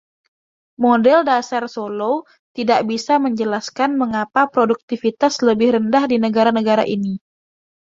Model dasar Solow tidak bisa menjelaskan mengapa produktivitas lebih rendah di negara-negara ini.